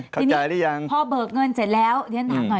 เข้าใจหรือยังพอเบิกเงินเสร็จแล้วที่ฉันถามหน่อย